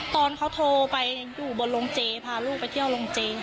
ตอนเขาโทรไปอยู่บนโรงเจพาลูกไปเที่ยวโรงเจ